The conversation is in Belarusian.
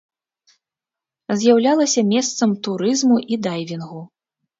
З'яўлялася месцам турызму і дайвінгу.